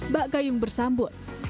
bak gayung bersambut